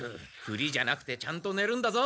ふりじゃなくてちゃんとねるんだぞ。